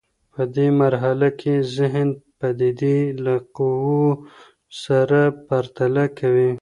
په دې مرحله کي ذهن پديدې له قوو سره پرتله کوي.